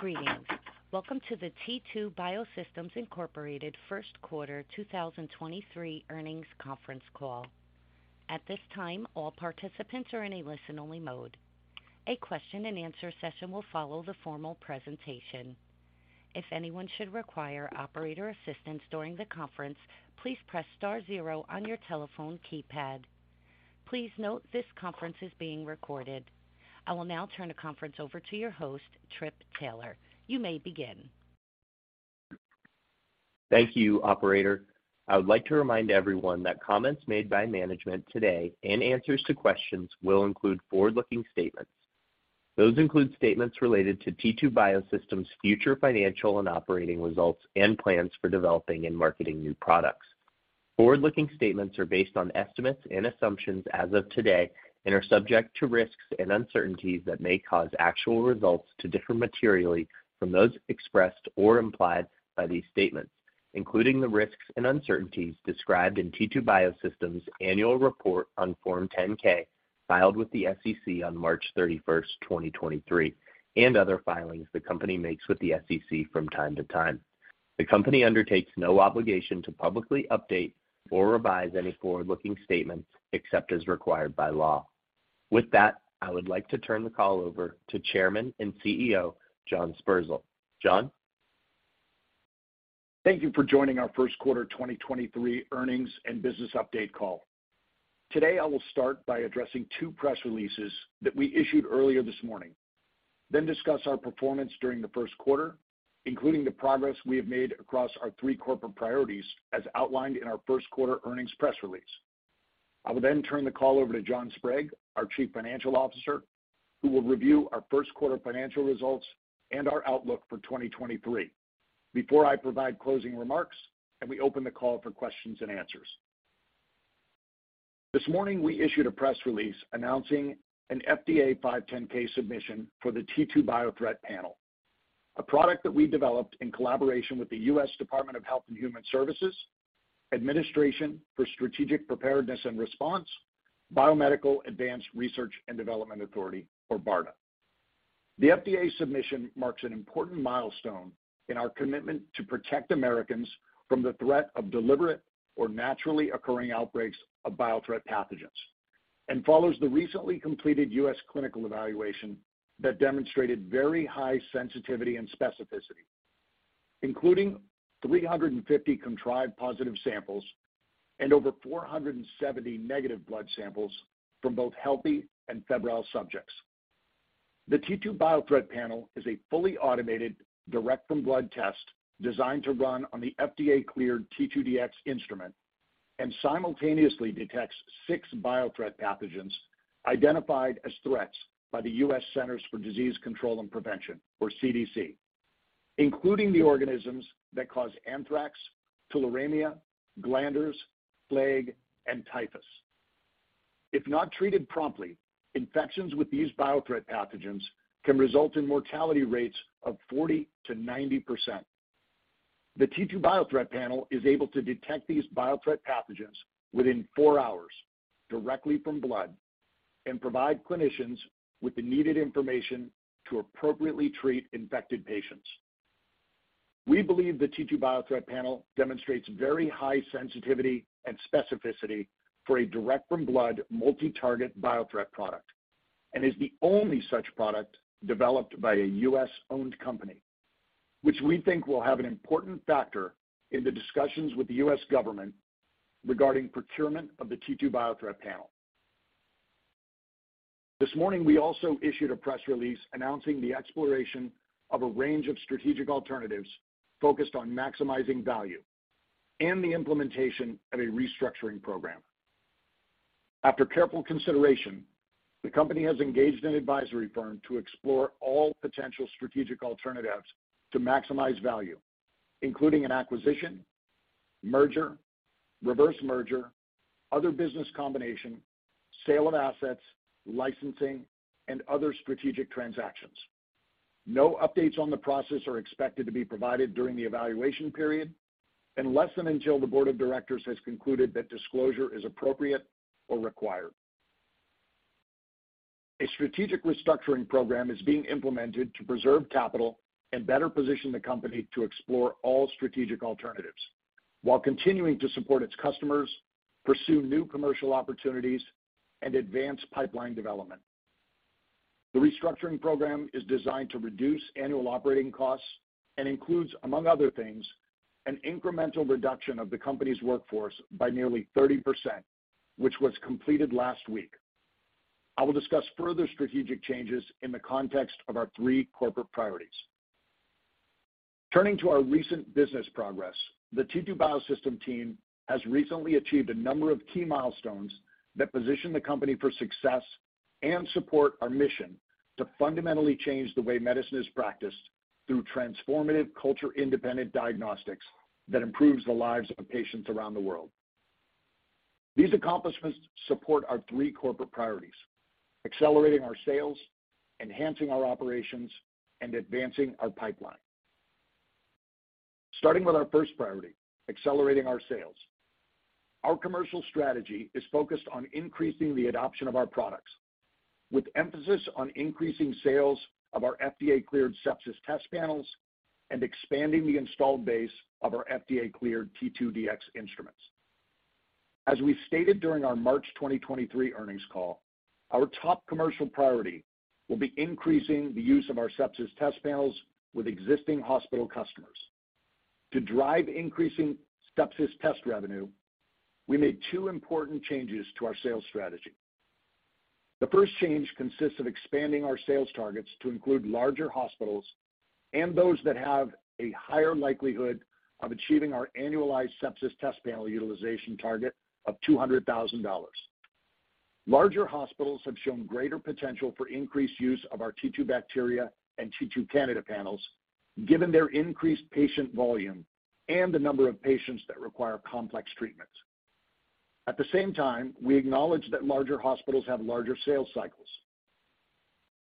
Greetings. Welcome to the T2 Biosystems, Inc Q1 2023 Earnings Conference Call. At this time, all participants are in a listen-only mode. A question-and-answer session will follow the formal presentation. If anyone should require operator assistance during the conference, please press star zero on your telephone keypad. Please note this conference is being recorded. I will now turn the conference over to your host, Tripp Taylor. You may begin. Thank you, operator. I would like to remind everyone that comments made by management today and answers to questions will include forward-looking statements. Those include statements related to T2 Biosystems' future financial and operating results and plans for developing and marketing new products. Forward-looking statements are based on estimates and assumptions as of today and are subject to risks and uncertainties that may cause actual results to differ materially from those expressed or implied by these statements, including the risks and uncertainties described in T2 Biosystems' annual report on Form 10-K filed with the SEC on March 31, 2023, and other filings the company makes with the SEC from time to time. The company undertakes no obligation to publicly update or revise any forward-looking statements except as required by law. With that, I would like to turn the call over to Chairman and CEO, John Sperzel. John? Thank you for joining our Q1 2023 earnings and business update call. Today, I will start by addressing two press releases that we issued earlier this morning, then discuss our performance during the Q1, including the progress we have made across our three corporate priorities as outlined in our Q1 earnings press release. I will then turn the call over to John Sprague, our Chief Financial Officer, who will review our Q1 financial results and our outlook for 2023, before I provide closing remarks and we open the call for questions and answers. This morning, we issued a press release announcing an FDA 510(k) submission for the T2Biothreat Panel, a product that we developed in collaboration with the U.S. Department of Health and Human Services, Administration for Strategic Preparedness and Response, Biomedical Advanced Research and Development Authority, or BARDA. The FDA submission marks an important milestone in our commitment to protect Americans from the threat of deliberate or naturally occurring outbreaks of biothreat pathogens, follows the recently completed U.S. clinical evaluation that demonstrated very high sensitivity and specificity, including 350 contrived positive samples and over 470 negative blood samples from both healthy and febrile subjects. The T2Biothreat Panel is a fully automated direct from blood test designed to run on the FDA-cleared T2Dx Instrument and simultaneously detects six biothreat pathogens identified as threats by the U.S. Centers for Disease Control and Prevention, or CDC, including the organisms that cause anthrax, tularemia, glanders, plague, and typhus. If not treated promptly, infections with these biothreat pathogens can result in mortality rates of 40%-90%. The T2Biothreat Panel is able to detect these biothreat pathogens within four hours directly from blood and provide clinicians with the needed information to appropriately treat infected patients. We believe the T2Biothreat Panel demonstrates very high sensitivity and specificity for a direct from blood multi-target biothreat product, and is the only such product developed by a U.S.-owned company, which we think will have an important factor in the discussions with the U.S. government regarding procurement of the T2Biothreat Panel. This morning, we also issued a press release announcing the exploration of a range of strategic alternatives focused on maximizing value and the implementation of a restructuring program. After careful consideration, the company has engaged an advisory firm to explore all potential strategic alternatives to maximize value, including an acquisition, merger, reverse merger, other business combination, sale of assets, licensing, and other strategic transactions. No updates on the process are expected to be provided during the evaluation period, unless and until the board of directors has concluded that disclosure is appropriate or required. A strategic restructuring program is being implemented to preserve capital and better position the company to explore all strategic alternatives while continuing to support its customers, pursue new commercial opportunities, and advance pipeline development. The restructuring program is designed to reduce annual operating costs and includes, among other things, an incremental reduction of the company's workforce by nearly 30%, which was completed last week. I will discuss further strategic changes in the context of our three corporate priorities. Turning to our recent business progress, the T2 Biosystems team has recently achieved a number of key milestones that position the company for success and support our mission to fundamentally change the way medicine is practiced through transformative culture-independent diagnostics that improves the lives of patients around the world. These accomplishments support our three corporate priorities: accelerating our sales, enhancing our operations, and advancing our pipeline. Starting with our first priority, accelerating our sales. Our commercial strategy is focused on increasing the adoption of our products with emphasis on increasing sales of our FDA-cleared sepsis test panels and expanding the installed base of our FDA-cleared T2Dx instruments. As we stated during our March 2023 earnings call, our top commercial priority will be increasing the use of our sepsis test panels with existing hospital customers. To drive increasing sepsis test revenue, we made two important changes to our sales strategy. The first change consists of expanding our sales targets to include larger hospitals and those that have a higher likelihood of achieving our annualized sepsis test panel utilization target of $200,000. Larger hospitals have shown greater potential for increased use of our T2Bacteria and T2Candida panels, given their increased patient volume and the number of patients that require complex treatments. At the same time, we acknowledge that larger hospitals have larger sales cycles,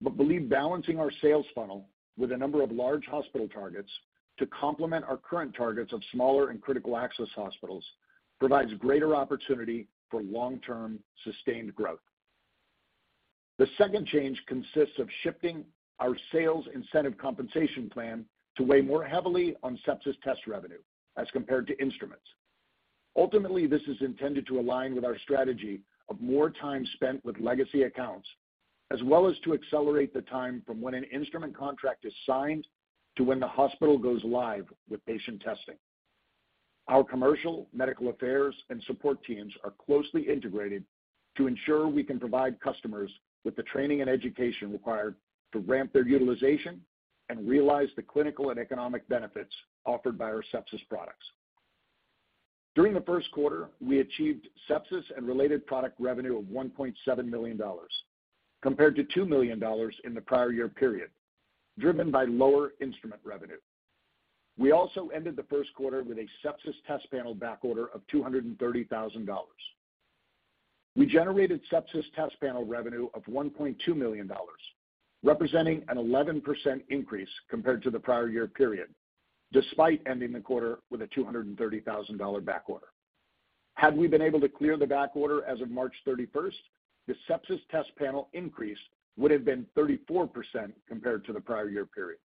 but believe balancing our sales funnel with a number of large hospital targets to complement our current targets of smaller and critical access hospitals provides greater opportunity for long-term sustained growth. The second change consists of shifting our sales incentive compensation plan to weigh more heavily on sepsis test revenue as compared to instruments. Ultimately, this is intended to align with our strategy of more time spent with legacy accounts, as well as to accelerate the time from when an instrument contract is signed to when the hospital goes live with patient testing. Our commercial medical affairs and support teams are closely integrated to ensure we can provide customers with the training and education required to ramp their utilization and realize the clinical and economic benefits offered by our sepsis products. During the Q1, we achieved sepsis and related product revenue of $1.7 million compared to $2 million in the prior year period, driven by lower instrument revenue. We also ended the Q1 with a sepsis test panel backorder of $230,000. We generated sepsis test panel revenue of $1.2 million, representing an 11% increase compared to the prior year period, despite ending the quarter with a $230,000 backorder. Had we been able to clear the backorder as of March 31st, the sepsis test panel increase would have been 34% compared to the prior year period.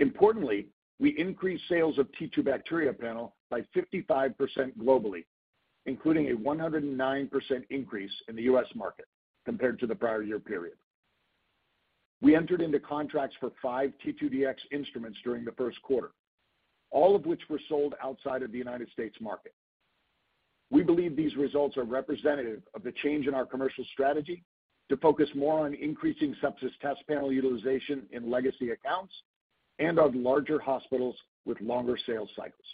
Importantly, we increased sales of T2Bacteria Panel by 55% globally, including a 109% increase in the U.S. market compared to the prior year period. We entered into contracts for five T2Dx Instruments during the Q1, all of which were sold outside of the United States market. We believe these results are representative of the change in our commercial strategy to focus more on increasing sepsis test panel utilization in legacy accounts and on larger hospitals with longer sales cycles.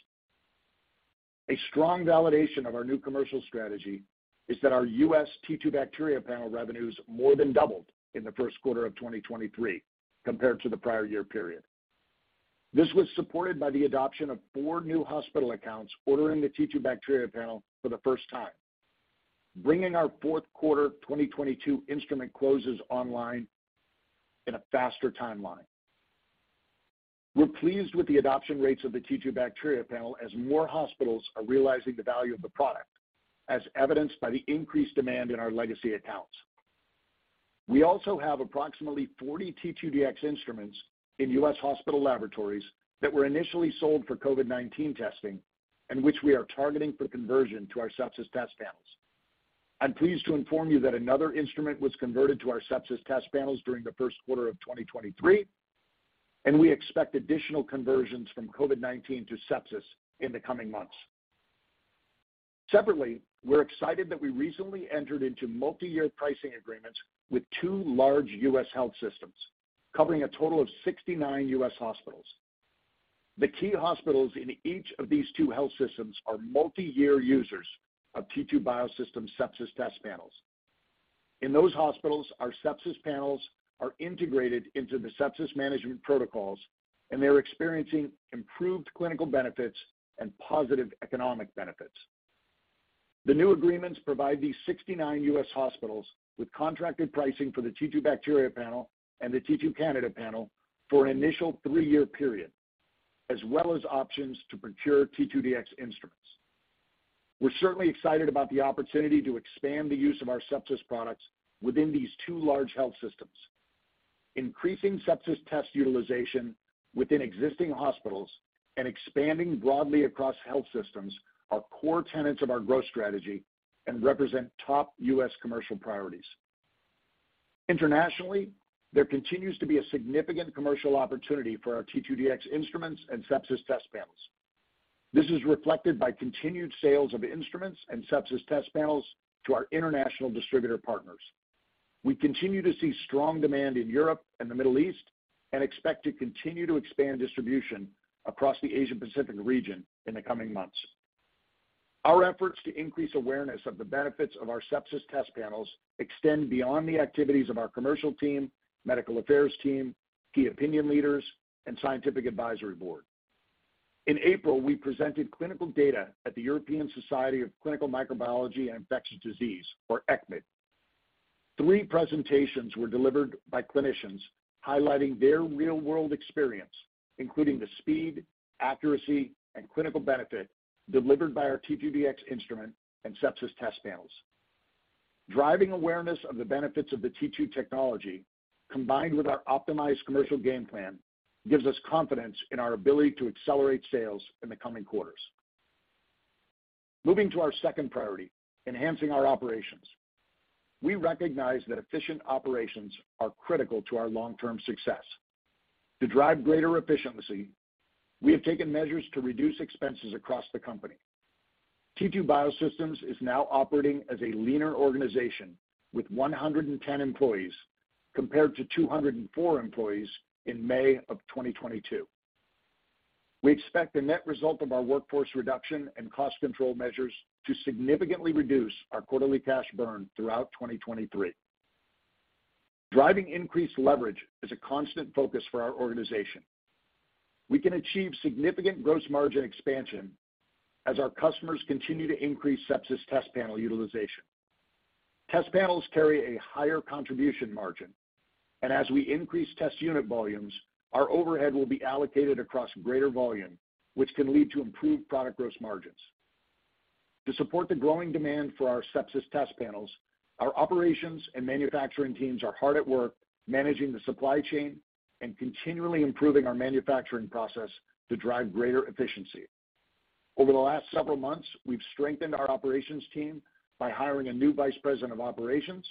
A strong validation of our new commercial strategy is that our U.S. T2Bacteria Panel revenues more than doubled in the Q1 of 2023 compared to the prior year period. This was supported by the adoption of four new hospital accounts ordering the T2Bacteria Panel for the first time, bringing our Q4 2022 instrument closes online in a faster timeline. We're pleased with the adoption rates of the T2Bacteria Panel as more hospitals are realizing the value of the product, as evidenced by the increased demand in our legacy accounts. We also have approximately 40 T2Dx Instruments in U.S. hospital laboratories that were initially sold for COVID-19 testing and which we are targeting for conversion to our sepsis test panels. I'm pleased to inform you that another instrument was converted to our sepsis test panels during the Q1 of 2023, and we expect additional conversions from COVID-19 to sepsis in the coming months. Separately, we're excited that we recently entered into multi-year pricing agreements with two large U.S. health systems, covering a total of 69 U.S. hospitals. The key hospitals in each of these two health systems are multi-year users of T2 Biosystems sepsis test panels. In those hospitals, our sepsis panels are integrated into the sepsis management protocols, and they're experiencing improved clinical benefits and positive economic benefits. The new agreements provide these 69 U.S. hospitals with contracted pricing for the T2Bacteria Panel and the T2Candida Panel for an initial year-year period, as well as options to procure T2Dx instruments. We're certainly excited about the opportunity to expand the use of our sepsis products within these two large health systems. Increasing sepsis test utilization within existing hospitals and expanding broadly across health systems are core tenets of our growth strategy and represent top U.S. commercial priorities. Internationally, there continues to be a significant commercial opportunity for our T2Dx instruments and sepsis test panels. This is reflected by continued sales of instruments and sepsis test panels to our international distributor partners. We continue to see strong demand in Europe and the Middle East, and expect to continue to expand distribution across the Asia-Pacific region in the coming months. Our efforts to increase awareness of the benefits of our sepsis test panels extend beyond the activities of our commercial team, medical affairs team, key opinion leaders, and scientific advisory board. In April, we presented clinical data at the European Society of Clinical Microbiology and Infectious Diseases, or ECCMID. Three presentations were delivered by clinicians highlighting their real-world experience, including the speed, accuracy, and clinical benefit delivered by our T2Dx Instrument and sepsis test panels. Driving awareness of the benefits of the T2 technology, combined with our optimized commercial game plan, gives us confidence in our ability to accelerate sales in the coming quarters. Moving to our second priority, enhancing our operations. We recognize that efficient operations are critical to our long-term success. To drive greater efficiency, we have taken measures to reduce expenses across the company. T2 Biosystems is now operating as a leaner organization with 110 employees, compared to 204 employees in May of 2022. We expect the net result of our workforce reduction and cost control measures to significantly reduce our quarterly cash burn throughout 2023. Driving increased leverage is a constant focus for our organization. We can achieve significant gross margin expansion as our customers continue to increase sepsis test panel utilization. Test panels carry a higher contribution margin, and as we increase test unit volumes, our overhead will be allocated across greater volume, which can lead to improved product gross margins. To support the growing demand for our sepsis test panels, our operations and manufacturing teams are hard at work managing the supply chain and continually improving our manufacturing process to drive greater efficiency. Over the last several months, we've strengthened our operations team by hiring a new vice president of operations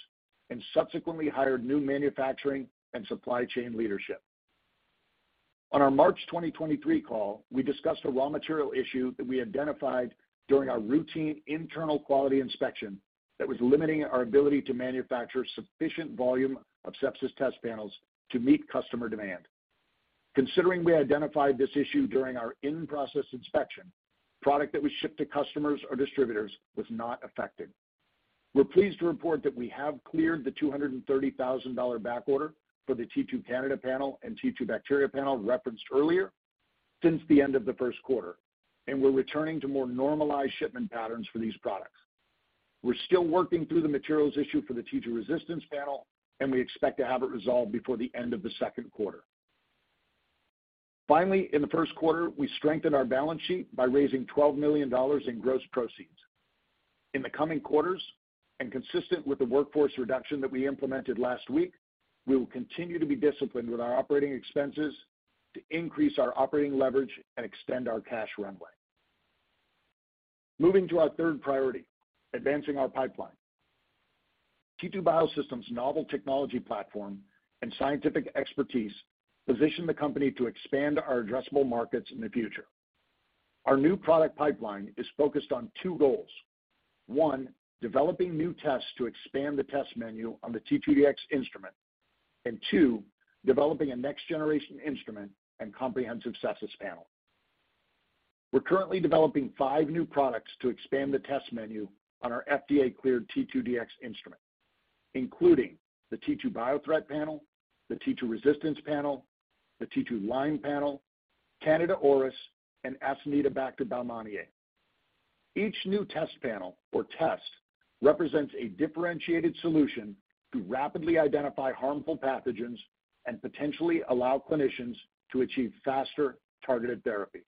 and subsequently hired new manufacturing and supply chain leadership. On our March 2023 call, we discussed a raw material issue that we identified during our routine internal quality inspection that was limiting our ability to manufacture sufficient volume of sepsis test panels to meet customer demand. Considering we identified this issue during our in-process inspection, product that was shipped to customers or distributors was not affected. We're pleased to report that we have cleared the $230,000 backorder for the T2 Candida Panel and T2Bacteria Panel referenced earlier since the end of the Q1, and we're returning to more normalized shipment patterns for these products. We're still working through the materials issue for the T2Resistance Panel, and we expect to have it resolved before the end of the Q2. Finally, in the Q1, we strengthened our balance sheet by raising $12 million in gross proceeds. In the coming quarters, consistent with the workforce reduction that we implemented last week, we will continue to be disciplined with our operating expenses to increase our operating leverage and extend our cash runway. Moving to our third priority, advancing our pipeline. T2 Biosystems' novel technology platform and scientific expertise position the company to expand our addressable markets in the future. Our new product pipeline is focused on two goals. One, developing new tests to expand the test menu on the T2Dx Instrument. Two, developing a next-generation instrument and comprehensive sepsis panel. We're currently developing five new products to expand the test menu on our FDA-cleared T2Dx Instrument, including the T2Biothreat Panel, the T2Resistance Panel, the T2Lyme Panel, Candida auris, and Acinetobacter baumannii. Each new test panel or test represents a differentiated solution to rapidly identify harmful pathogens and potentially allow clinicians to achieve faster targeted therapy.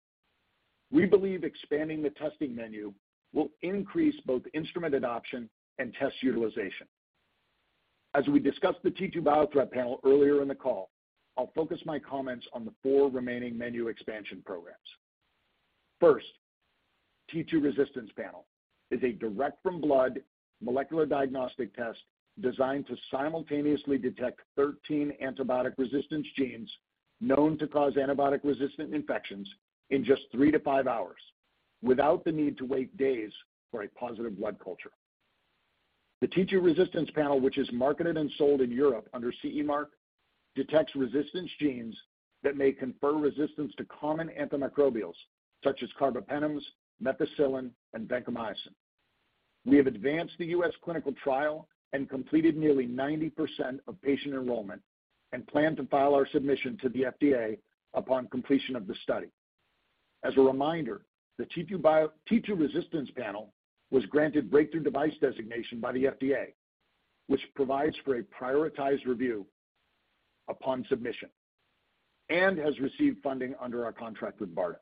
We believe expanding the testing menu will increase both instrument adoption and test utilization. As we discussed the T2Biothreat Panel earlier in the call, I'll focus my comments on the four remaining menu expansion programs. First, T2Resistance Panel is a direct from blood molecular diagnostic test designed to simultaneously detect 13 antibiotic resistance genes known to cause antibiotic-resistant infections in just three-five hours without the need to wait days for a positive blood culture. The T2Resistance Panel, which is marketed and sold in Europe under CE mark, detects resistance genes that may confer resistance to common antimicrobials such as carbapenems, methicillin, and vancomycin. We have advanced the U.S. clinical trial and completed nearly 90% of patient enrollment and plan to file our submission to the FDA upon completion of the study. As a reminder, the T2 Resistance Panel was granted Breakthrough Device Designation by the FDA, which provides for a prioritized review upon submission and has received funding under our contract with BARDA.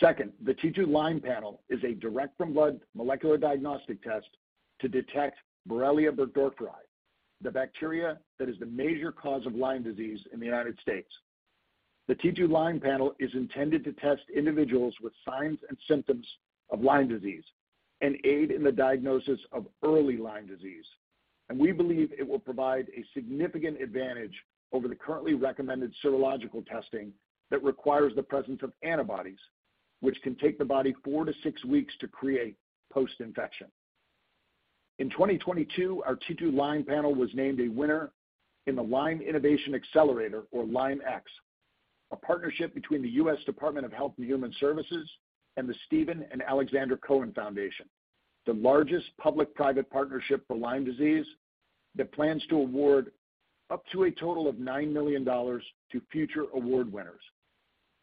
The T2 Lyme Panel is a direct from blood molecular diagnostic test to detect Borrelia burgdorferi, the bacteria that is the major cause of Lyme disease in the U.S. The T2 Lyme Panel is intended to test individuals with signs and symptoms of Lyme disease and aid in the diagnosis of early Lyme disease. We believe it will provide a significant advantage over the currently recommended serological testing that requires the presence of antibodies, which can take the body four to six weeks to create post-infection. In 2022, our T2Lyme Panel was named a winner in the LymeX Innovation Accelerator or LymeX, a partnership between the U.S. Department of Health and Human Services and the Steven & Alexandra Cohen Foundation, the largest public-private partnership for Lyme disease that plans to award up to a total of $9 million to future award winners.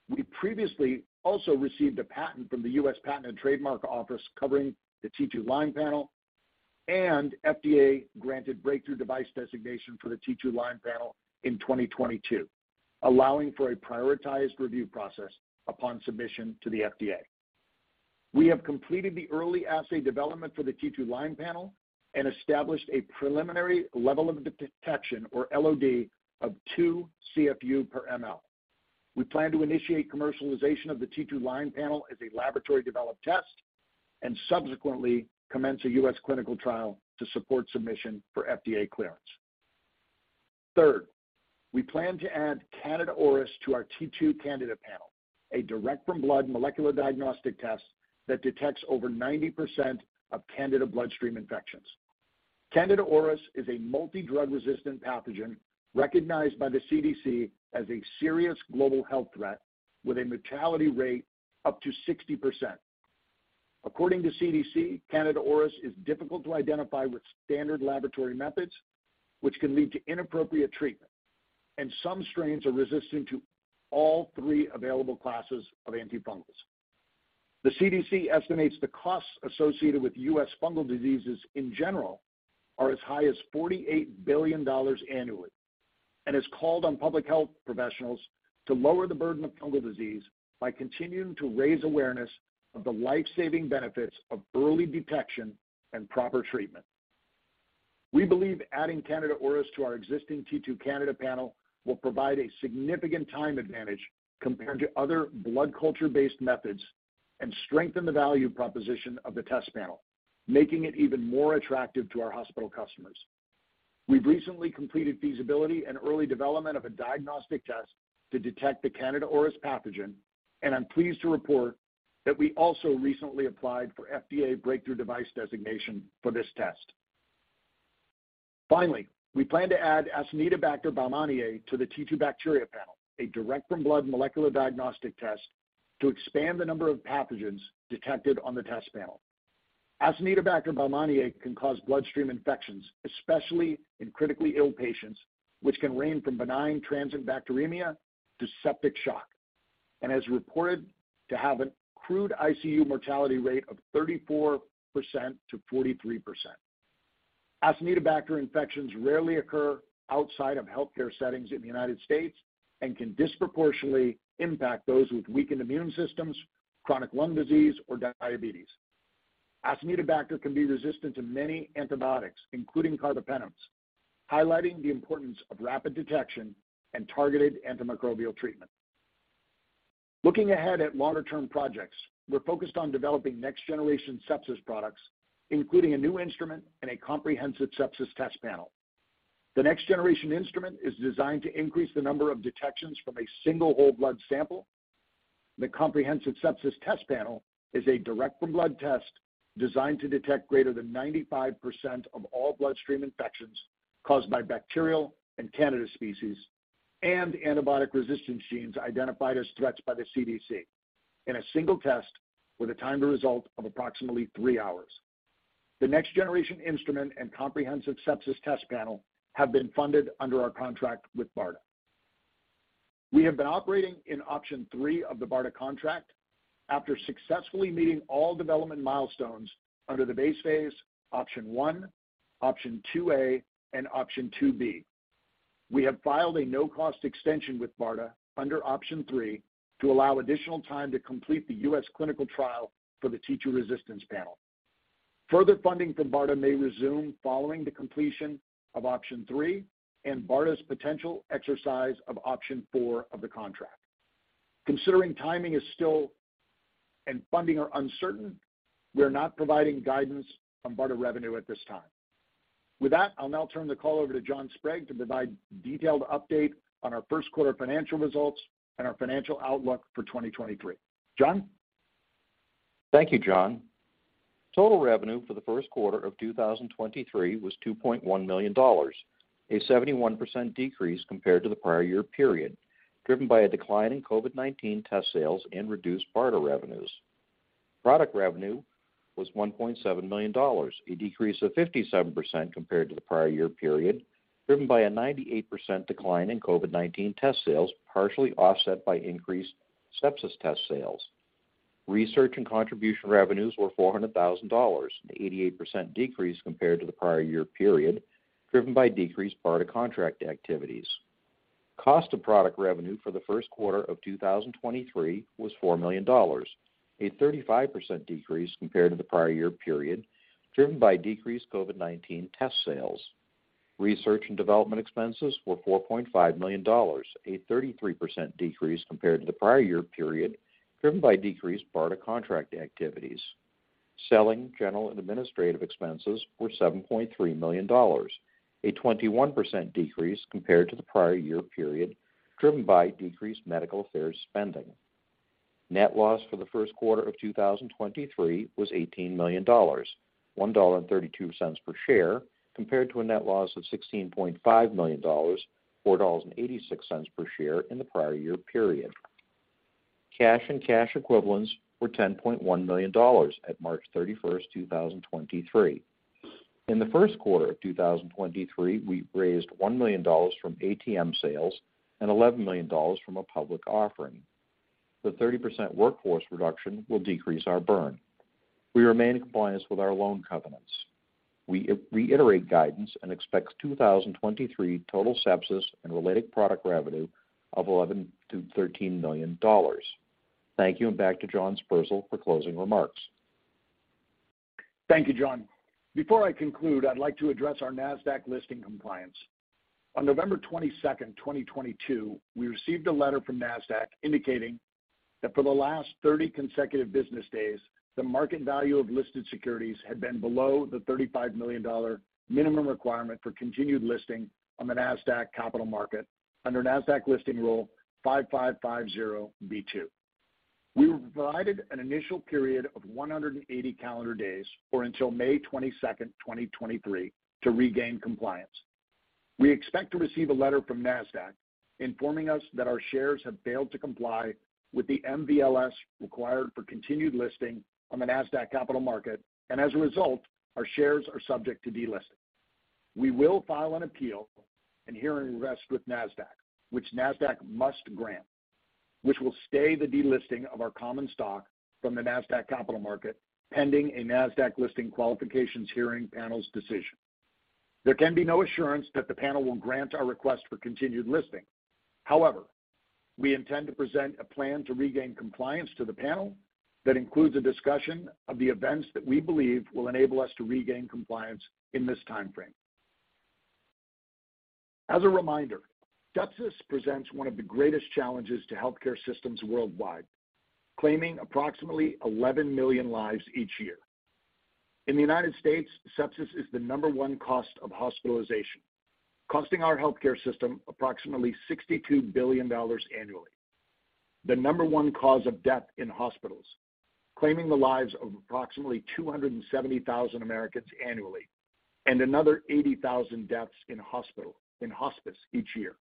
We previously also received a patent from the U.S. Patent and Trademark Office covering the T2Lyme Panel, and FDA granted Breakthrough Device Designation for the T2Lyme Panel in 2022, allowing for a prioritized review process upon submission to the FDA. We have completed the early assay development for the T2Lyme Panel and established a preliminary level of detection, or LOD, of 2 CFU/mL. We plan to initiate commercialization of the T2Lyme Panel as a Laboratory Developed Test and subsequently commence a U.S. clinical trial to support submission for FDA clearance. Third, we plan to add Candida auris to our T2Candida Panel, a direct-from-blood molecular diagnostic test that detects over 90% of Candida bloodstream infections. Candida auris is a multi-drug resistant pathogen recognized by the CDC as a serious global health threat with a mortality rate up to 60%. According to CDC, Candida auris is difficult to identify with standard laboratory methods, which can lead to inappropriate treatment, and some strains are resistant to all three available classes of antifungals. The CDC estimates the costs associated with U.S. fungal diseases in general are as high as $48 billion annually and has called on public health professionals to lower the burden of fungal disease by continuing to raise awareness of the life-saving benefits of early detection and proper treatment. We believe adding Candida auris to our existing T2Candida Panel will provide a significant time advantage compared to other blood culture-based methods and strengthen the value proposition of the test Panel, making it even more attractive to our hospital customers. We've recently completed feasibility and early development of a diagnostic test to detect the Candida auris pathogen. I'm pleased to report that we also recently applied for FDA Breakthrough Device Designation for this test. Finally, we plan to add Acinetobacter baumannii to the T2Bacteria Panel, a direct from blood molecular diagnostic test to expand the number of pathogens detected on the test panel. Acinetobacter baumannii can cause bloodstream infections, especially in critically ill patients, which can range from benign transient bacteremia to septic shock, and is reported to have a crude ICU mortality rate of 34%-43%. Acinetobacter infections rarely occur outside of healthcare settings in the United States and can disproportionately impact those with weakened immune systems, chronic lung disease or diabetes. Acinetobacter can be resistant to many antibiotics, including carbapenems, highlighting the importance of rapid detection and targeted antimicrobial treatment. Looking ahead at longer term projects, we're focused on developing next generation sepsis products, including a new instrument and a comprehensive sepsis test panel. The next generation instrument is designed to increase the number of detections from a single whole blood sample. The comprehensive sepsis test panel is a direct from blood test designed to detect greater than 95% of all bloodstream infections caused by bacterial and Candida species and antibiotic resistance genes identified as threats by the CDC in a single test with a time to result of approximately three hours. The next generation instrument and comprehensive sepsis test panel have been funded under our contract with BARDA. We have been operating in option 3 of the BARDA contract after successfully meeting all development milestones under the base phase, option 1, option 2-A, and option 2-B. We have filed a no-cost extension with BARDA under option 3 to allow additional time to complete the U.S. clinical trial for the T2Resistance Panel. Further funding from BARDA may resume following the completion of option 3 and BARDA's potential exercise of option 4 of the contract. Considering timing is still and funding are uncertain, we are not providing guidance on BARDA revenue at this time. With that, I'll now turn the call over to John Sprague to provide detailed update on our Q1 financial results and our financial outlook for 2023. John? Thank you, John. Total revenue for the Q1 of 2023 was $2.1 million, a 71% decrease compared to the prior year period, driven by a decline in COVID-19 test sales and reduced BARDA revenues. Product revenue was $1.7 million, a decrease of 57% compared to the prior year period, driven by a 98% decline in COVID-19 test sales, partially offset by increased sepsis test sales. Research and contribution revenues were $400,000, an 88% decrease compared to the prior year period, driven by decreased BARDA contract activities. Cost of product revenue for the Q1 of 2023 was $4 million, a 35% decrease compared to the prior year period, driven by decreased COVID-19 test sales. Research and development expenses were $4.5 million, a 33% decrease compared to the prior year period, driven by decreased BARDA contract activities. Selling, general and administrative expenses were $7.3 million, a 21% decrease compared to the prior year period, driven by decreased medical affairs spending. Net loss for the Q1 of 2023 was $18 million, $1.32 per share, compared to a net loss of $16.5 million, $4.86 per share in the prior year period. Cash and cash equivalents were $10.1 million at March 31st, 2023. In the Q1 of 2023, we raised $1 million from ATM sales and $11 million from a public offering. The 30% workforce reduction will decrease our burn. We remain in compliance with our loan covenants. We reiterate guidance and expect 2023 total sepsis and related product revenue of $11 million-$13 million. Thank you, and back to John Sperzel for closing remarks. Thank you, John. Before I conclude, I'd like to address our Nasdaq listing compliance. On November 22nd, 2022, we received a letter from Nasdaq indicating that for the last 30 consecutive business days, the market value of listed securities had been below the $35 million minimum requirement for continued listing on the Nasdaq Capital Market under Nasdaq Listing Rule 5550(b)(2). We were provided an initial period of 180 calendar days or until May 22nd, 2023 to regain compliance. We expect to receive a letter from Nasdaq informing us that our shares have failed to comply with the MVLS required for continued listing on the Nasdaq Capital Market, and as a result, our shares are subject to delisting. We will file an appeal and hearing request with Nasdaq, which Nasdaq must grant, which will stay the delisting of our common stock from the Nasdaq Capital Market pending a Nasdaq Listing Qualifications Hearing Panel's decision. There can be no assurance that the panel will grant our request for continued listing. However, we intend to present a plan to regain compliance to the panel that includes a discussion of the events that we believe will enable us to regain compliance in this timeframe. As a reminder, sepsis presents one of the greatest challenges to healthcare systems worldwide, claiming approximately 11 million lives each year. In the United States, sepsis is the number one cause of hospitalization, costing our healthcare system approximately $62 billion annually. The number one cause of death in hospitals, claiming the lives of approximately 270,000 Americans annually, another 80,000 deaths in hospice each year.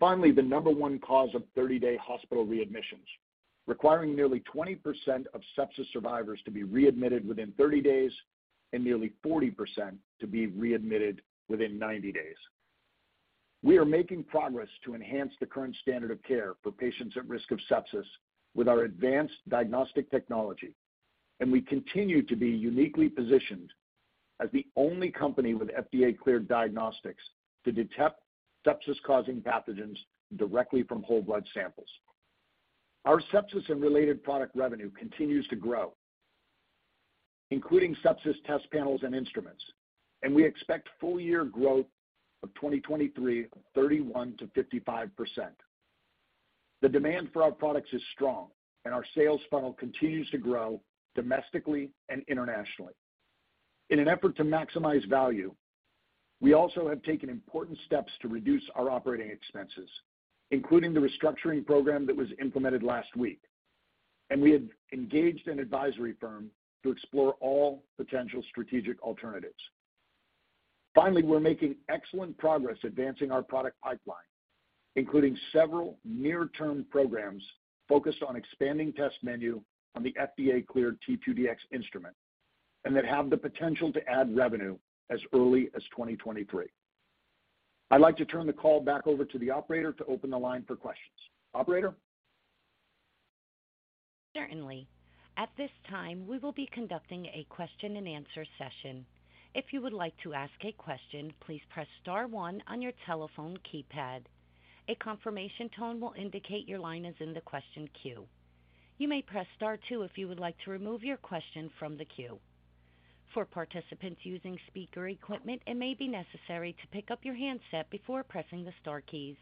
Finally, the number one cause of 30-day hospital readmissions, requiring nearly 20% of sepsis survivors to be readmitted within 30 days and nearly 40% to be readmitted within 90 days. We are making progress to enhance the current standard of care for patients at risk of sepsis with our advanced diagnostic technology. We continue to be uniquely positioned as the only company with FDA-cleared diagnostics to detect sepsis-causing pathogens directly from whole blood samples. Our sepsis and related product revenue continues to grow, including sepsis test panels and instruments. We expect full year growth of 2023 of 31%-55%. The demand for our products is strong and our sales funnel continues to grow domestically and internationally. In an effort to maximize value, we also have taken important steps to reduce our operating expenses, including the restructuring program that was implemented last week. We have engaged an advisory firm to explore all potential strategic alternatives. Finally, we're making excellent progress advancing our product pipeline, including several near-term programs focused on expanding test menu on the FDA-cleared T2Dx Instrument and that have the potential to add revenue as early as 2023. I'd like to turn the call back over to the operator to open the line for questions. Operator? Certainly. At this time, we will be conducting a question and answer session. If you would like to ask a question, please press star one on your telephone keypad. A confirmation tone will indicate your line is in the question queue. You may press star two if you would like to remove your question from the queue. For participants using speaker equipment, it may be necessary to pick up your handset before pressing the star keys.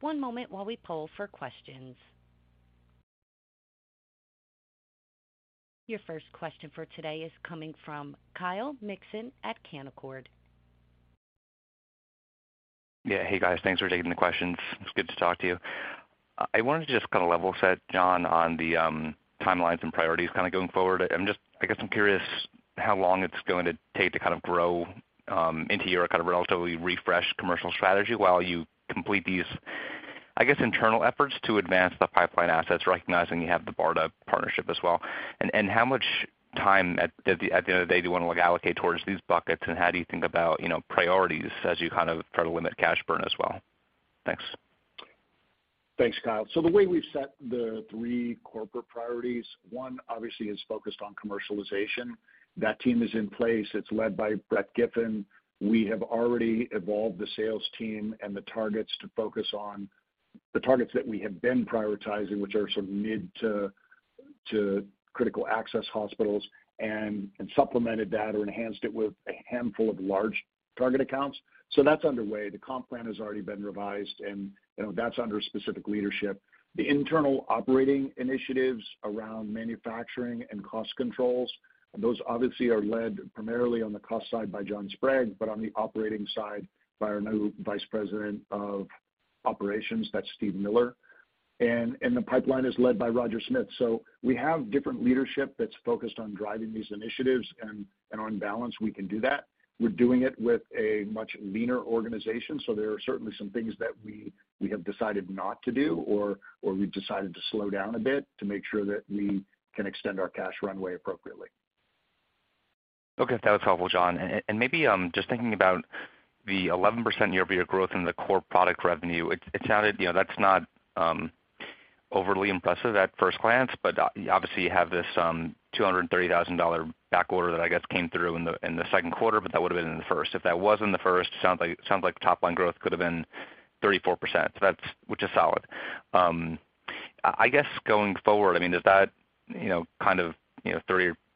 One moment while we poll for questions. Your first question for today is coming from Kyle Mikson at Canaccord. Yeah. Hey, guys. Thanks for taking the questions. It's good to talk to you. I wanted to just kind of level set, John, on the timelines and priorities kind of going forward. I guess I'm curious how long it's going to take to kind of grow into your kind of relatively refreshed commercial strategy while you complete these, I guess, internal efforts to advance the pipeline assets, recognizing you have the BARDA partnership as well. How much time at the end of the day do you want to like allocate towards these buckets, and how do you think about, you know, priorities as you kind of try to limit cash burn as well? Thanks. Thanks, Kyle. The way we've set the three corporate priorities, one obviously is focused on commercialization. That team is in place. It's led by Brett Giffin. We have already evolved the sales team and the targets to focus on the targets that we have been prioritizing, which are sort of mid to critical access hospitals and supplemented that or enhanced it with a handful of large target accounts. That's underway. The comp plan has already been revised, and, you know, that's under specific leadership. The internal operating initiatives around manufacturing and cost controls, those obviously are led primarily on the cost side by John Sprague, but on the operating side by our new Vice President of Operations, that's Steve Miller. The pipeline is led by Roger Smith. We have different leadership that's focused on driving these initiatives and on balance we can do that. We're doing it with a much leaner organization, so there are certainly some things that we have decided not to do or we've decided to slow down a bit to make sure that we can extend our cash runway appropriately. Okay. That was helpful, John. Maybe, just thinking about the 11% year-over-year growth in the core product revenue. It sounded, you know, that's not overly impressive at first glance, but obviously, you have this $230,000 backorder that I guess came through in the Q2, but that would have been in the first. If that was in the first, it sounds like top line growth could have been 34%. That's which is solid. I guess going forward, I mean, does that, you know, kind of, you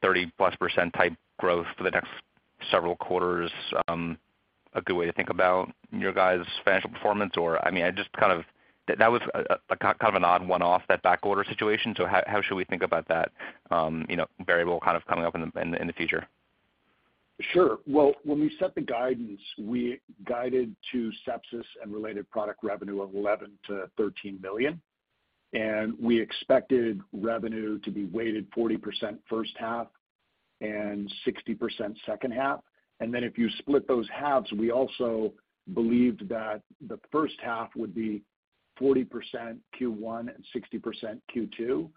know, 30-plus% type growth for the next several quarters, a good way to think about your guys' financial performance? I mean, I just kind of that was a kind of an odd one-off, that backorder situation. How, how should we think about that, you know, variable kind of coming up in the, in the future? Sure. Well, when we set the guidance, we guided to sepsis and related product revenue of $11 million-$13 million, and we expected revenue to be weighted 40% H1 and 60% H2. If you split those halves, we also believed that the H1 would be 40% Q1 and 60% Q2,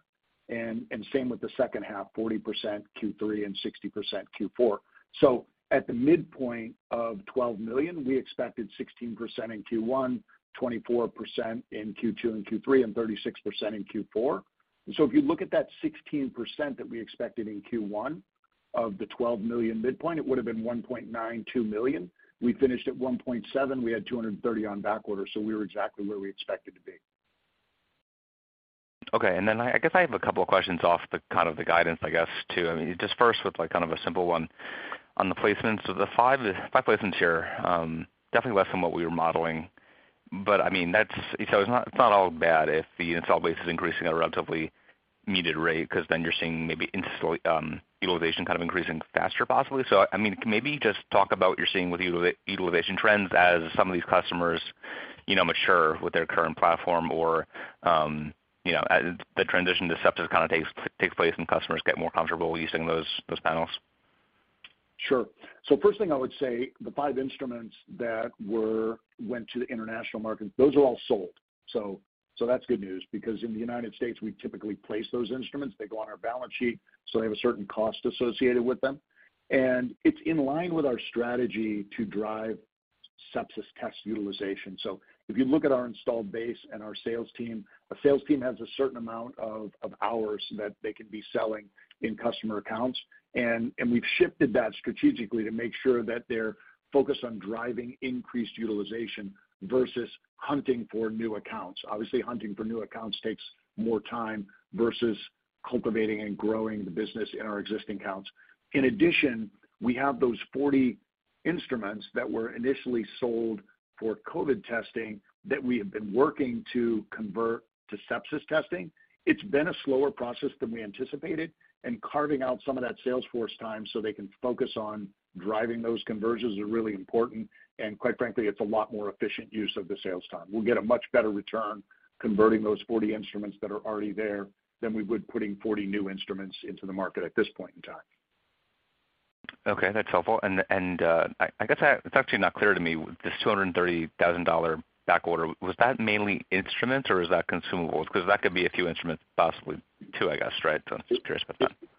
and same with the H2, 40% Q3 and 60% Q4. At the midpoint of $12 million, we expected 16% in Q1, 24% in Q2 and Q3, and 36% in Q4. If you look at that 16% that we expected in Q1 of the $12 million midpoint, it would've been $1.92 million. We finished at $1.7 million. We had 230 on backorder, so we were exactly where we expected to be. I guess I have a couple of questions off the kind of the guidance, I guess, too. I mean, just first with like, kind of a simple one on the placements. The five placements here, definitely less than what we were modeling. I mean, that's... It's not all bad if the install base is increasing at a relatively muted rate because then you're seeing maybe utilization kind of increasing faster, possibly. I mean, can maybe just talk about what you're seeing with utilization trends as some of these customers, you know, mature with their current platform or, you know, as the transition to sepsis kind of takes place and customers get more comfortable using those panels. Sure. First thing I would say, the five instruments that went to the international markets, those are all sold. That's good news because in the United States, we typically place those instruments. They go on our balance sheet, so they have a certain cost associated with them. It's in line with our strategy to drive sepsis test utilization. If you look at our installed base and our sales team, a sales team has a certain amount of hours that they can be selling in customer accounts. We've shifted that strategically to make sure that they're focused on driving increased utilization versus hunting for new accounts. Obviously, hunting for new accounts takes more time versus cultivating and growing the business in our existing accounts. In addition, we have those 40 instruments that were initially sold for COVID testing that we have been working to convert to sepsis testing. It's been a slower process than we anticipated. Carving out some of that sales force time so they can focus on driving those conversions are really important. Quite frankly, it's a lot more efficient use of the sales time. We'll get a much better return converting those 40 instruments that are already there than we would putting 40 new instruments into the market at this point in time. Okay, that's helpful. It's actually not clear to me, this $230,000 backorder, was that mainly instruments or is that consumables? 'Cause that could be a few instruments possibly too, I guess, right? I'm just curious about that.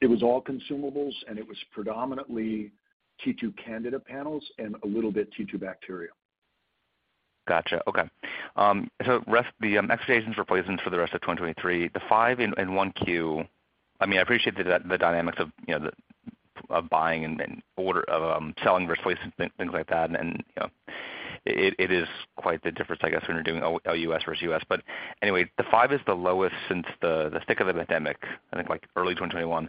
It was all consumables, and it was predominantly T2Candida panels and a little bit T2Bacteria. Gotcha. Okay. So the expectations for placements for the rest of 2023, the five in 1Q, I mean, I appreciate the dynamics of, you know, the, of buying and order selling versus placing, things like that. You know, it is quite the difference, I guess, when you're doing OUS versus U.S. Anyway, the five is the lowest since the stick of the pandemic, I think like early 2021.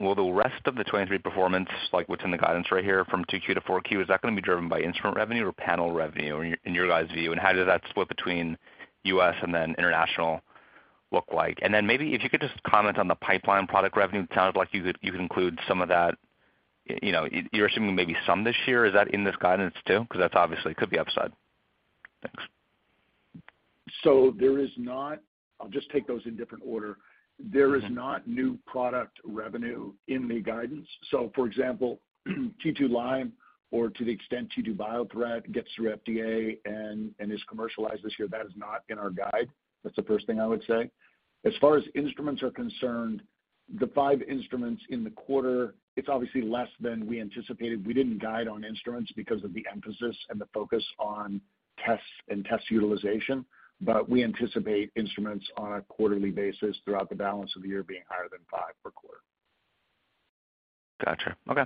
Will the rest of the 2023 performance, like what's in the guidance right here from 2Q to 4Q, is that gonna be driven by instrument revenue or panel revenue in your, in your guys' view? How does that split between U.S. and then international look like? Then maybe if you could just comment on the pipeline product revenue. It sounded like you could include some of that. You know, you're assuming maybe some this year. Is that in this guidance too? Because that's obviously could be upside. Thanks. I'll just take those in different order. Mm-hmm. There is not new product revenue in the guidance. For example, T2Lyme Panel or to the extent T2Biothreat Panel gets through FDA and is commercialized this year, that is not in our guide. That's the first thing I would say. As far as instruments are concerned, the five instruments in the quarter, it's obviously less than we anticipated. We didn't guide on instruments because of the emphasis and the focus on tests and test utilization. We anticipate instruments on a quarterly basis throughout the balance of the year being higher than five per quarter. Gotcha. Okay.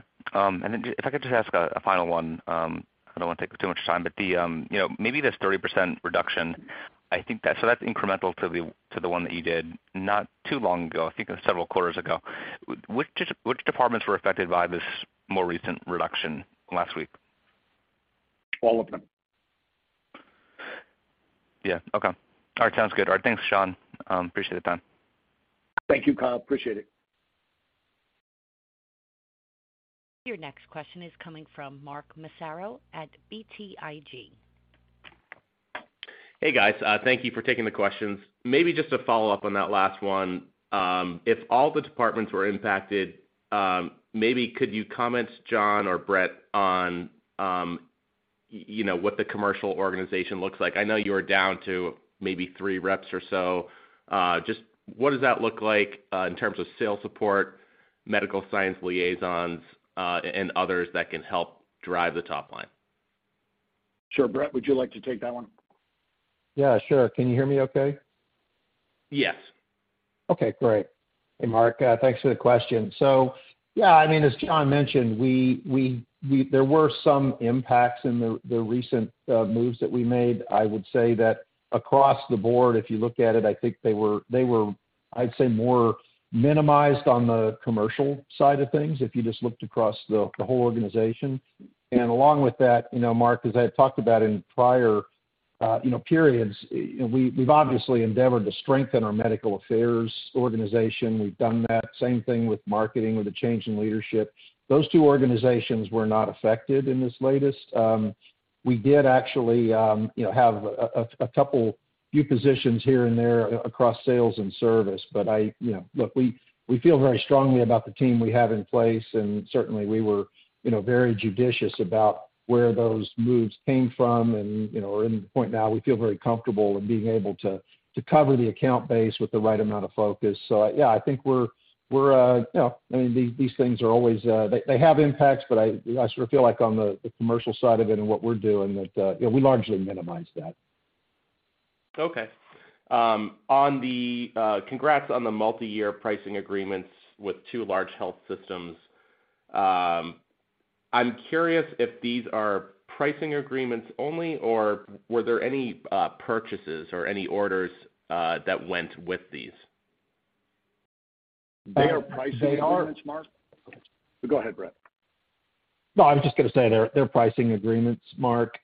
If I could just ask a final one. I don't wanna take up too much time, but the, you know, maybe this 30% reduction, I think that... That's incremental to the, to the one that you did not too long ago, I think it was several quarters ago. Which departments were affected by this more recent reduction last week? All of them. Yeah. Okay. All right. Sounds good. All right. Thanks, John. Appreciate the time. Thank you, Kyle. Appreciate it. Your next question is coming from Mark Massaro at BTIG. Hey guys, thank you for taking the questions. Maybe just to follow up on that last one, if all the departments were impacted, maybe could you comment, John or Brett, on what the commercial organization looks like? I know you were down to maybe three reps or so. Just what does that look like, in terms of sales support, medical science liaisons, and others that can help drive the top line? Sure. Brett, would you like to take that one? Yeah, sure. Can you hear me okay? Yes. Okay, great. Hey, Mark, thanks for the question. Yeah, I mean, as John mentioned, there were some impacts in the recent moves that we made. I would say that across the board, if you look at it, I think they were, I'd say, more minimized on the commercial side of things if you just looked across the whole organization. Along with that, you know, Mark, as I had talked about in prior, you know, periods, you know, we've obviously endeavored to strengthen our medical affairs organization. We've done that. Same thing with marketing, with a change in leadership. Those two organizations were not affected in this latest. We did actually, you know, have a couple few positions here and there across sales and service. I, you know... Look, we feel very strongly about the team we have in place. Certainly we were, you know, very judicious about where those moves came from and, you know, are in the point now we feel very comfortable in being able to cover the account base with the right amount of focus. Yeah, I think we're... You know, I mean, these things are always, they have impacts. I sort of feel like on the commercial side of it and what we're doing that, you know, we largely minimize that. On the congrats on the multiyear pricing agreements with two large health systems. I'm curious if these are pricing agreements only, or were there any purchases or any orders that went with these? They are pricing agreements, Mark. Go ahead, Brett. No, I was just gonna say they're pricing agreements, Mark,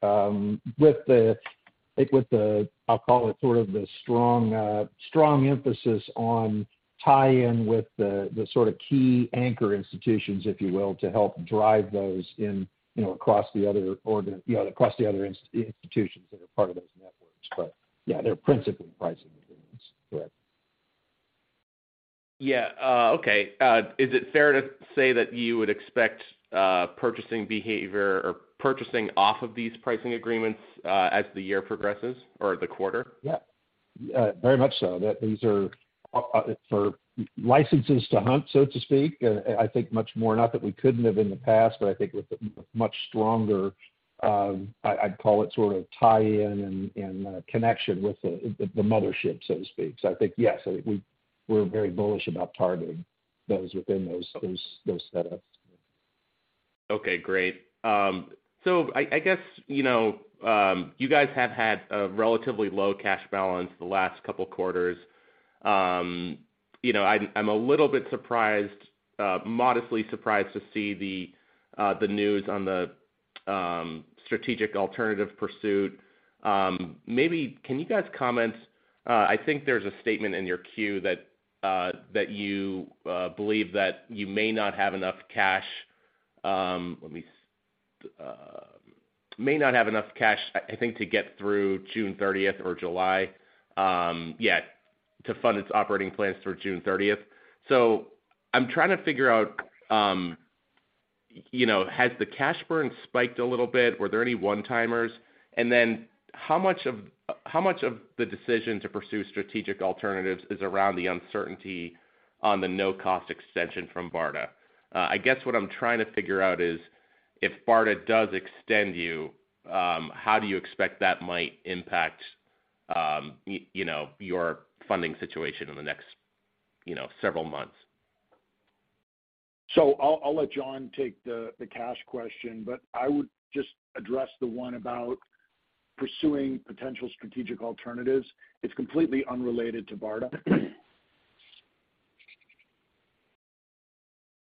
with the, I think with the, I'll call it sort of the strong emphasis on tie-in with the sort of key anchor institutions, if you will, to help drive those in, you know, across the other institutions that are part of those networks. Yeah, they're principally pricing agreements. Correct. Okay. Is it fair to say that you would expect purchasing behavior or purchasing off of these pricing agreements as the year progresses or the quarter? Very much so. That these are for licenses to hunt, so to speak, I think much more not that we couldn't have in the past, but I think with a much stronger, I'd call it sort of tie in and connection with the mothership, so to speak. I think yes, I think we're very bullish about targeting those within those setups. Okay, great. I guess, you know, you guys have had a relatively low cash balance the last couple quarters. You know, I'm a little bit surprised, modestly surprised to see the news on the strategic alternative pursuit. Maybe can you guys comment? I think there's a statement in your 10-Q that you believe that you may not have enough cash, let me, may not have enough cash, I think, to get through June 30th or July, yet to fund its operating plans through June 30th. I'm trying to figure out, you know, has the cash burn spiked a little bit? Were there any one-timers? How much of the decision to pursue strategic alternatives is around the uncertainty on the no-cost extension from BARDA? I guess what I'm trying to figure out is, if BARDA does extend you, how do you expect that might impact, you know, your funding situation in the next, you know, several months? I'll let John take the cash question, but I would just address the one about pursuing potential strategic alternatives. It's completely unrelated to BARDA.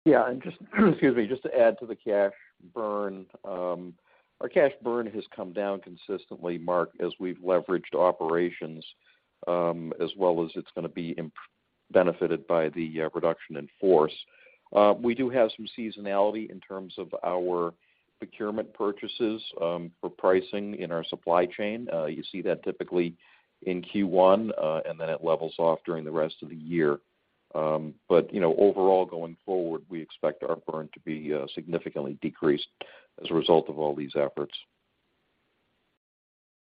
Yeah. Just excuse me, just to add to the cash burn. Our cash burn has come down consistently, Mark, as we've leveraged operations, as well as it's gonna be benefited by the reduction in force. We do have some seasonality in terms of our procurement purchases, for pricing in our supply chain. You see that typically in Q1, and then it levels off during the rest of the year. You know, overall, going forward, we expect our burn to be significantly decreased as a result of all these efforts.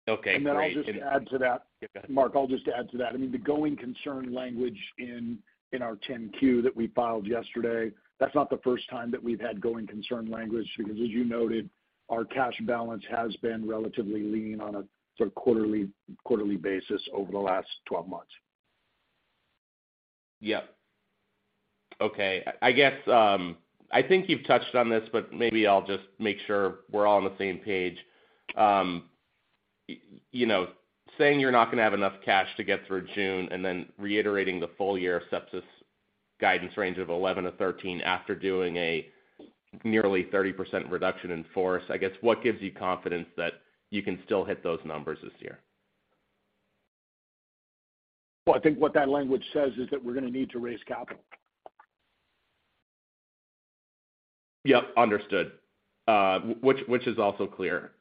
Okay, great. I'll just add to that. Yeah. Mark, I'll just add to that. I mean, the going concern language in our 10-Q that we filed yesterday, that's not the first time that we've had going concern language, because as you noted, our cash balance has been relatively lean on a sort of quarterly basis over the last 12 months. Yeah. Okay. I guess, I think you've touched on this, but maybe I'll just make sure we're all on the same page. You know, saying you're not gonna have enough cash to get through June and then reiterating the full year sepsis guidance range of 11-13 after doing a nearly 30% reduction in force, I guess, what gives you confidence that you can still hit those numbers this year? Well, I think what that language says is that we're gonna need to raise capital. Yep, understood. Which is also clear.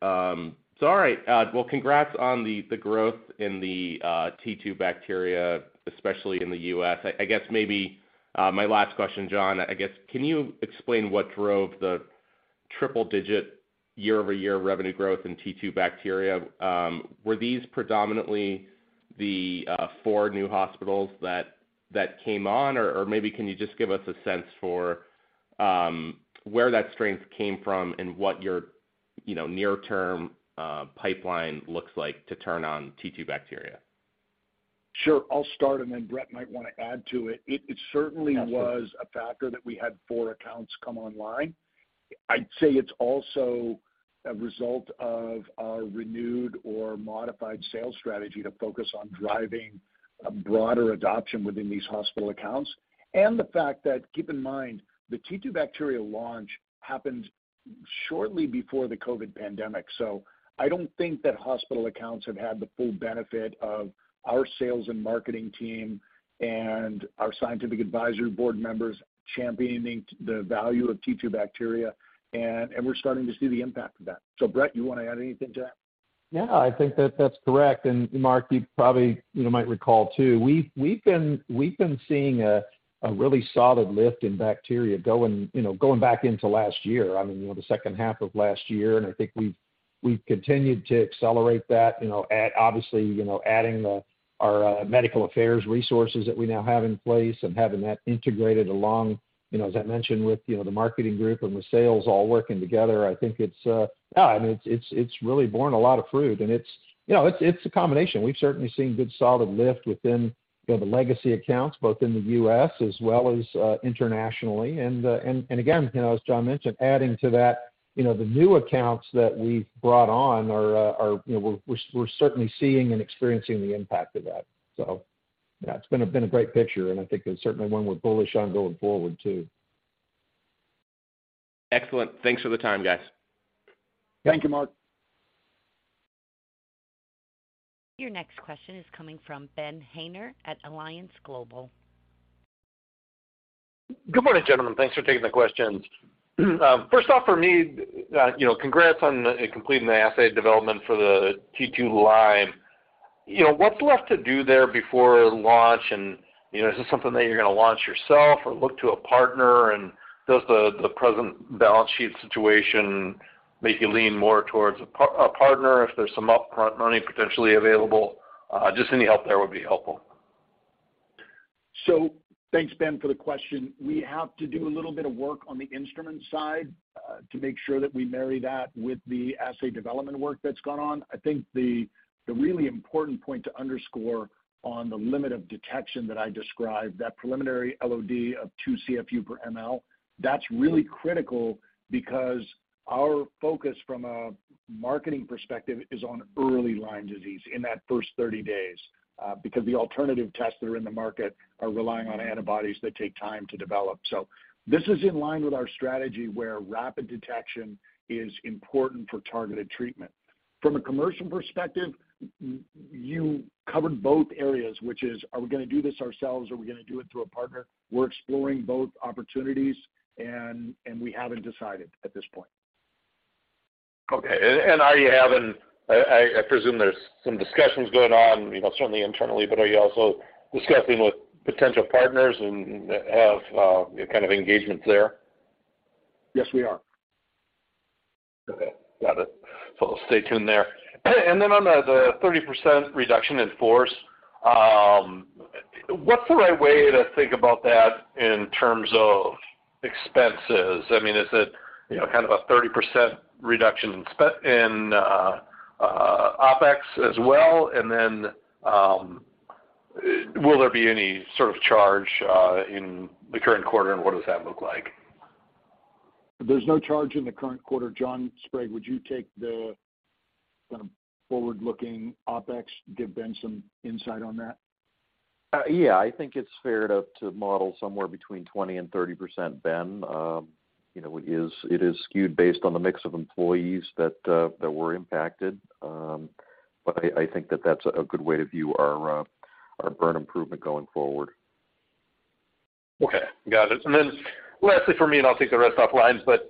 All right. Well, congrats on the growth in the T2Bacteria Panel, especially in the U.S. I guess maybe my last question, John, I guess can you explain what drove the triple-digit year-over-year revenue growth in T2Bacteria Panel? Were these predominantly the four new hospitals that came on? Or maybe can you just give us a sense for where that strength came from and what your, you know, near-term pipeline looks like to turn on T2Bacteria Panel? Sure. I'll start then Brett might wanna add to it. It certainly was a factor that we had four accounts come online. I'd say it's also a result of our renewed or modified sales strategy to focus on driving a broader adoption within these hospital accounts. The fact that, keep in mind, the T2Bacteria Panel launch happened shortly before the COVID pandemic. I don't think that hospital accounts have had the full benefit of our sales and marketing team and our scientific advisory board members championing the value of T2Bacteria and we're starting to see the impact of that. Brett, you wanna add anything to that? Yeah, I think that that's correct. Mark, you probably, you know, might recall too, we've been seeing a really solid lift in bacteria going, you know, going back into last year. I mean, you know, the H2 of last year, I think we've continued to accelerate that, you know, at obviously, you know, adding our medical affairs resources that we now have in place and having that integrated along, you know, as I mentioned with, you know, the marketing group and with sales all working together. I think it's, yeah, I mean, it's really borne a lot of fruit and it's, you know, it's a combination. We've certainly seen good solid lift within, you know, the legacy accounts both in the U.S. as well as internationally. Again, you know, as John mentioned, adding to that, you know, the new accounts that we've brought on are, you know, we're certainly seeing and experiencing the impact of that. Yeah, it's been a, been a great picture and I think it's certainly one we're bullish on going forward too. Excellent. Thanks for the time, guys. Thank you, Mark. Your next question is coming from Benjamin Haynor at Alliance Global Partners. Good morning, gentlemen. Thanks for taking the questions. First off for me, you know, congrats on completing the assay development for the T2Lyme. You know, what's left to do there before launch? You know, is this something that you're gonna launch yourself or look to a partner? Does the present balance sheet situation make you lean more towards a partner if there's some upfront money potentially available? Just any help there would be helpful. Thanks, Ben, for the question. We have to do a little bit of work on the instrument side to make sure that we marry that with the assay development work that's gone on. I think the really important point to underscore on the limit of detection that I described, that preliminary LOD of 2 CFU/mL, that's really critical because our focus from a marketing perspective is on early Lyme disease in that first 30 days, because the alternative tests that are in the market are relying on antibodies that take time to develop. This is in line with our strategy where rapid detection is important for targeted treatment. From a commercial perspective, you covered both areas, which is, are we gonna do this ourselves, are we gonna do it through a partner? We're exploring both opportunities and we haven't decided at this point. Okay. I presume there's some discussions going on, you know, certainly internally, but are you also discussing with potential partners and have, kind of engagements there? Yes, we are. Okay. Got it. We'll stay tuned there. Then on the 30% reduction in force, what's the right way to think about that in terms of expenses? I mean, is it, you know, kind of a 30% reduction in OpEx as well? Then, will there be any sort of charge in the current quarter, and what does that look like? There's no charge in the current quarter. John Sprague, would you take the kind of forward-looking OpEx, give Ben some insight on that? Yeah. I think it's fair to model somewhere between 20% and 30%, Ben. You know, it is skewed based on the mix of employees that were impacted. I think that that's a good way to view our burn improvement going forward. Okay. Got it. Lastly for me, and I'll take the rest offline, but,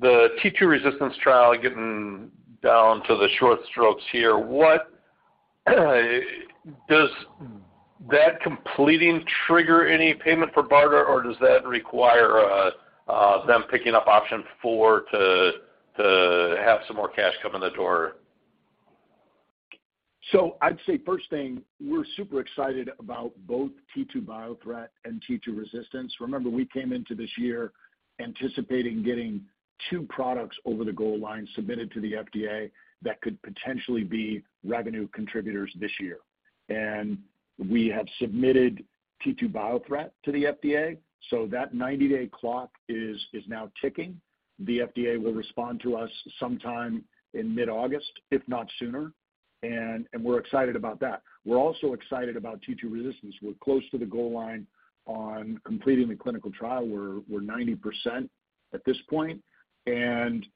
the T2Resistance trial, getting down to the short strokes here, Does that completing trigger any payment for BARDA, or does that require them picking up option four to have some more cash come in the door? I'd say first thing, we're super excited about both T2Biothreat and T2Resistance. Remember, we came into this year anticipating getting two products over the goal line submitted to the FDA that could potentially be revenue contributors this year. We have submitted T2Biothreat to the FDA, so that 90-day clock is now ticking. The FDA will respond to us sometime in mid-August, if not sooner, and we're excited about that. We're also excited about T2Resistance. We're close to the goal line on completing the clinical trial. We're 90% at this point, and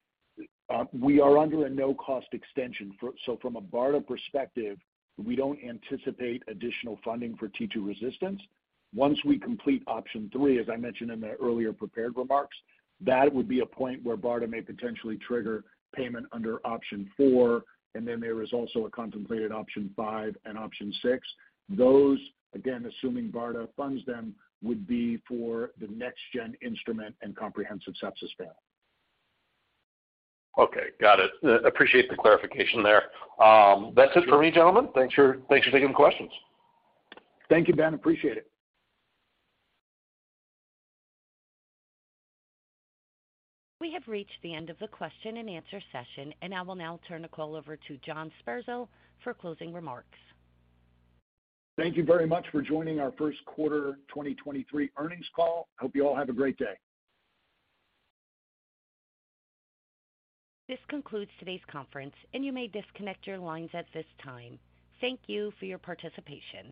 we are under a no-cost extension. From a BARDA perspective, we don't anticipate additional funding for T2Resistance. Once we complete option 3, as I mentioned in the earlier prepared remarks, that would be a point where BARDA may potentially trigger payment under option 4, and then there is also a contemplated option 5 and option 6. Those, again assuming BARDA funds them, would be for the next gen instrument and comprehensive sepsis panel. Okay. Got it. appreciate the clarification there. That's it for me, gentlemen. Thanks for taking the questions. Thank you, Ben. Appreciate it. We have reached the end of the question and answer session, and I will now turn the call over to John Sperzel for closing remarks. Thank you very much for joining our Q1 2023 earnings call. Hope you all have a great day. This concludes today's conference, and you may disconnect your lines at this time. Thank you for your participation.